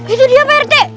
itu dia prt